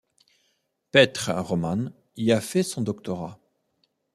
Petre Roman y a fait son doctorat.